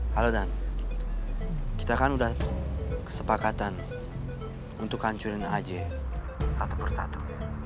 halo dan kita kan udah kesepakatan untuk hancurin aja satu persatu